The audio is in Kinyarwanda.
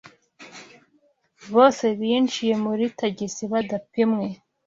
Bose binjiye muri tagisi badapimwe.